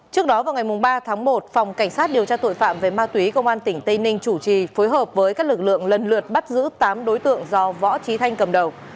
trước đó vào ngày ba tháng một phòng cảnh sát điều tra tội phạm về ma túy công an tỉnh tây ninh chủ trì phối hợp với các lực lượng lần lượt bắt giữ tám đối tượng do võ trí thanh cầm đầu